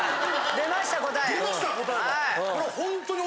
出ました答えが。